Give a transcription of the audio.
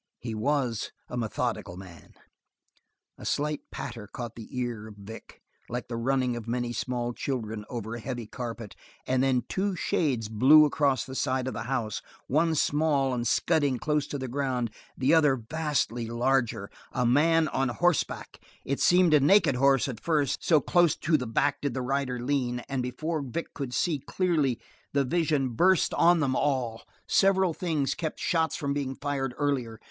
He was a methodical man. A slight patter caught the ear of Vic, like the running of many small children over a heavy carpet, and then two shades blew around the side of the house, one small and scudding close to the ground, the other vastly larger a man on horseback. It seemed a naked horse at first, so close to the back did the rider lean, and before Vic could see clearly the vision burst on them all. Several things kept shots from being fired earlier.